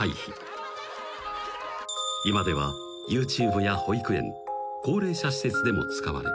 ［今ではＹｏｕＴｕｂｅや保育園高齢者施設でも使われ］